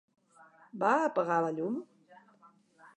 Va apagar la llum?